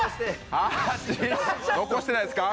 残してないですか？